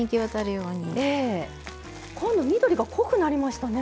ええ。今度緑が濃くなりましたね。